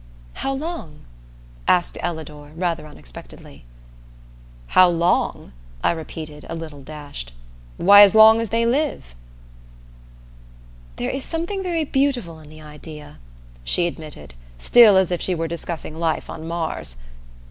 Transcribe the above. "How long?" asked Ellador, rather unexpectedly. "How long?" I repeated, a little dashed. "Why as long as they live." "There is something very beautiful in the idea," she admitted, still as if she were discussing life on Mars.